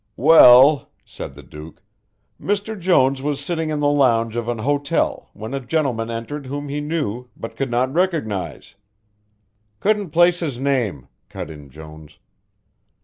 "Well," said the Duke. "Mr. Jones was sitting in the lounge of an hotel when a gentleman entered whom he knew but could not recognize." "Couldn't place his name," cut in Jones.